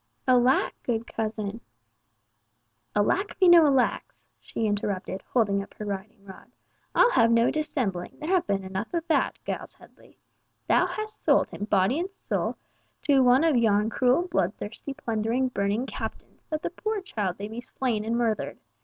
"Alack, good cousin!" "Alack me no alacks," she interrupted, holding up her riding rod. "I'll have no dissembling, there hath been enough of that, Giles Headley. Thou hast sold him, soul and body, to one of yon cruel, bloodthirsty plundering, burning captains, that the poor child may be slain and murthered!